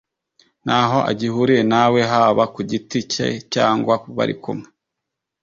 ntaho agihuriye na we haba ku giti cye cyangwa bari kumwe